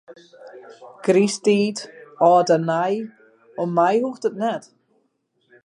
Krysttiid, âld en nij, om my hoecht it net.